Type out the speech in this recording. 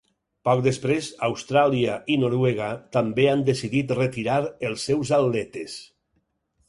Poc després, Austràlia i Noruega també han decidit retirar els seus atletes.